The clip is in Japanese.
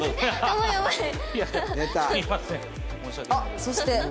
あっそして。